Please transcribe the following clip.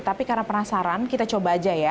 tapi karena penasaran kita coba aja ya